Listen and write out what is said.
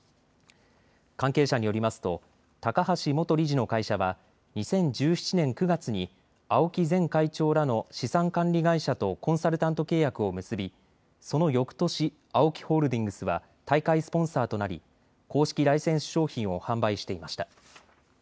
関係者によりますと高橋元理事の会社は２０１７年９月に青木前会長らの資産管理会社とコンサルタント契約を結び、そのよくとしＡＯＫＩホールディングスは大会スポンサーとなり公式ライセンス商品を販売していました。